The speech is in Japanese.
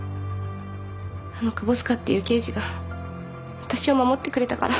あの窪塚っていう刑事が私を守ってくれたから。